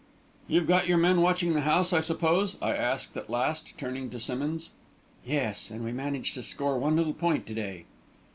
"You've got your men watching the house, I suppose?" I asked, at last, turning to Simmonds. "Yes; and we managed to score one little point to day."